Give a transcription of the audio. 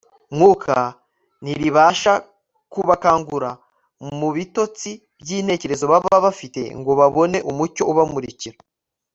mwuka ntiribasha kubakangura mu bitotsi by'intekerezo baba bafite ngo babone umucyo ubamurikira